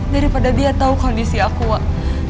daripada dia tahu kondisi aku